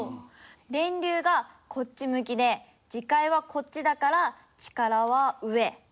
電流がこっち向きで磁界はこっちだから力は上。